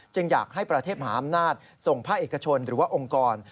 อยากให้ประเทศมหาอำนาจส่งภาคเอกชนหรือว่าองค์กร